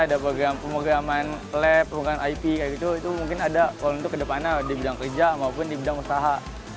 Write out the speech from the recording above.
ada program pemrograman lab pemrograman ip itu mungkin ada kalau untuk ke depannya di bidang kerja maupun di bidang usaha